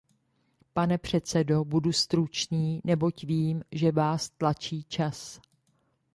Pane předsedo, budu stručný, neboť vím, že vás tlačí čas.